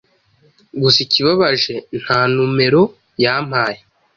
gusa ikibabaje nta numero yampaye